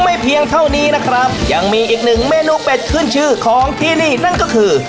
เพียงเท่านี้นะครับยังมีอีกหนึ่งเมนูเป็ดขึ้นชื่อของที่นี่นั่นก็คือ